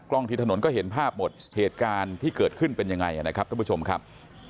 ที่ถนนก็เห็นภาพหมดเหตุการณ์ที่เกิดขึ้นเป็นยังไงนะครับท่านผู้ชมครับ